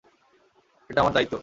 এটা আমার দায়িত্ব।